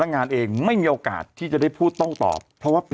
ทำงานครบ๒๐ปีได้เงินชดเฉยเลิกจ้างไม่น้อยกว่า๔๐๐วัน